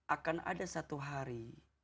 akan ada satu hari